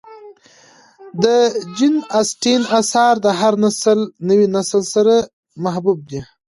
د جین اسټن آثار د هر نوي نسل سره محبوب دي.